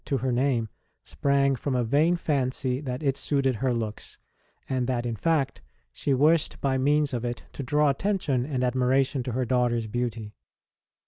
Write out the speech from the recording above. ROSE OF LIMA to her name sprang from a vain fancy that it suited her looks, and that, in fact, she wished by means of it to draw attention and admira tion to her daughter s beauty.